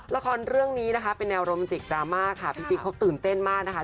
ละครเรื่องนี้นะคะเป็นแนวโรแมนติกดราม่าค่ะพี่ติ๊กเขาตื่นเต้นมากนะคะ